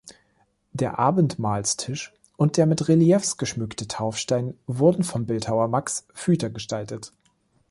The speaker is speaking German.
Der Abendmahlstisch und der mit Reliefs geschmückte Taufstein wurden vom Bildhauer Max Fueter gestaltet.